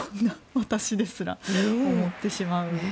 私ですら思ってしまう。